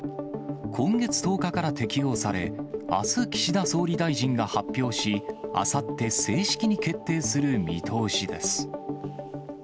今月１０日から適用され、あす、岸田総理大臣が発表し、あさって正式に決定する見通しです。